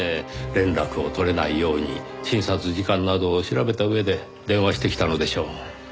連絡を取れないように診察時間などを調べた上で電話してきたのでしょう。